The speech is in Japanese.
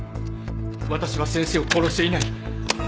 私は先生を殺していない。